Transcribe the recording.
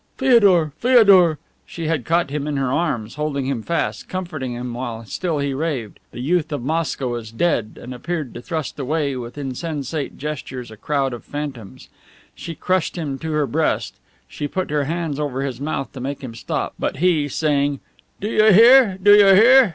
"Feodor! Feodor!" She had caught him in her arms, holding him fast, comforting him while still he raved, "The youth of Moscow is dead," and appeared to thrust away with insensate gestures a crowd of phantoms. She crushed him to her breast, she put her hands over his mouth to make him stop, but he, saying, "Do you hear? Do you hear?